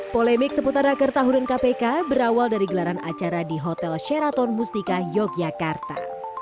polemik seputar raker tahunan kpk berawal dari gelaran acara di hotel sheraton mustika yogyakarta